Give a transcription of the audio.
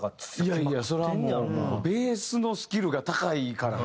いやいやそれはもうベースのスキルが高いからね。